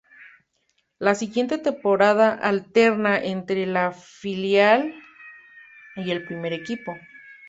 La siguiente temporada alterna entre el filial y el primer equipo.